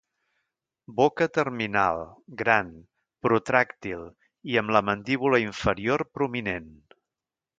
Boca terminal, gran, protràctil i amb la mandíbula inferior prominent.